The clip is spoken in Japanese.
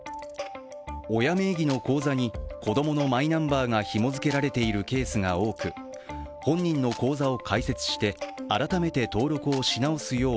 親名義の口座に子供のマイナンバーがひも付けられているケースが多く、本人の口座を開設して改めて登録をし直すよう